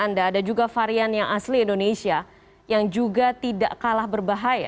anda ada juga varian yang asli indonesia yang juga tidak kalah berbahaya